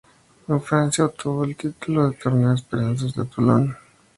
En Francia obtuvo el título del Torneo Esperanzas de Toulon.